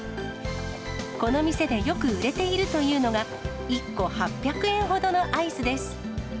この店でよく売れているというのが、１個８００円ほどのアイスです。